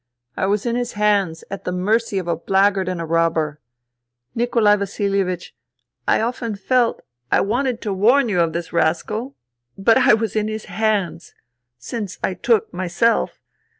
I was in his hands, at the mercy of a blackguard and a robber. Nikolai Vasilievich : I often felt I wanted to warn you of this rascal. But I was in his hands ... since I took myself.